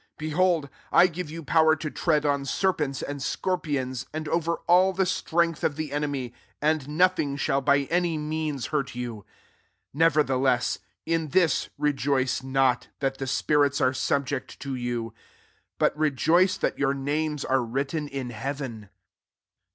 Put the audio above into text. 19 Behold, 1 give yt>ii power to ti<ead on serpents affid scorpions^ and over all the strength ci the enemy; and Bothmg shall by any means Imrtyoik 90 Nevertheless, iri this r^lcenot^ that the spirits are subject to you ; but rejoiee that your names are written in heaven."